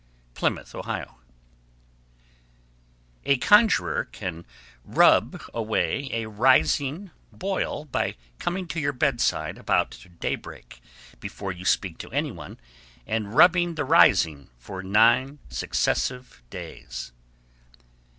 Plymouth, O. 1156. A "conjurer" can rub away a "rising" (boil) by coming to your bedside about daybreak, before you speak to any one, and rubbing the "rising" for nine successive days.